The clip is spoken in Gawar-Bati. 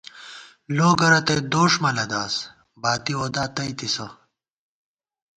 لوگہ رتئ دوݭ مہ لداس، باتی وودا تئیتِسہ